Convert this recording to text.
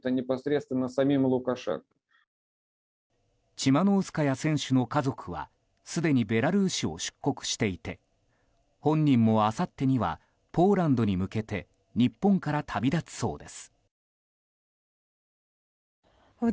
チマノウスカヤ選手の家族はすでにベラルーシを出国していて本人も、あさってにはポーランドに向けて日本から旅立つそうです。